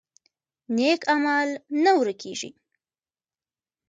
نیک عمل نه ورک کیږي